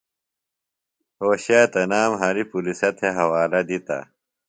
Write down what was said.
رھوشے تنام ہریۡ پُلِسہ تھےۡ حوالہ دِتہ۔